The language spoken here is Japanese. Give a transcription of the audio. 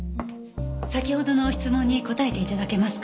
先ほどの質問に答えて頂けますか？